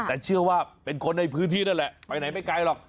แต่เชื่อว่าเป็นคนในพื้นที่นั่นแหละไปไหนไม่ไกลหรอก